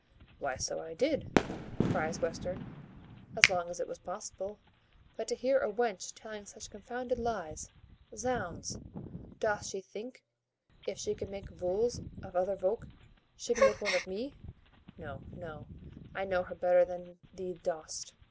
"Why, so I did," cries Western, "as long as it was possible; but to hear a wench telling such confounded lies Zounds! doth she think, if she can make vools of other volk, she can make one of me? No, no, I know her better than thee dost."